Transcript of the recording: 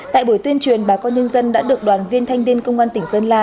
tại buổi tuyên truyền bà con nhân dân đã được đoàn viên thanh niên công an tỉnh sơn la